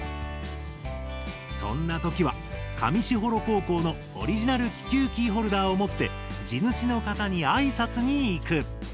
そんな時は上士幌高校のオリジナル気球キーホルダーを持って地主の方に挨拶に行く。